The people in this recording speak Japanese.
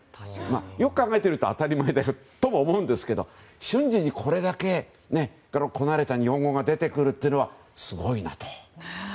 よく考えてみると当たり前だとも思うんですが、瞬時にこれだけこなれた日本語が出てくるというのはすごいなと。